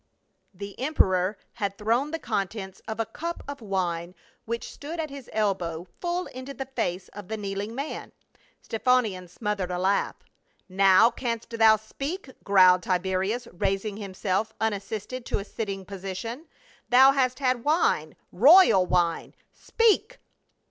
6S The emperor had thrown the contents of a cup of wine, which stood at his elbow, full into the face of the kneeling man. Stephanion smothered a laugh. " Now, canst thou speak ?" growled Tiberius, rais ing himself unassisted to a sitting posture. " Thou hast had wine — royal wine. Speak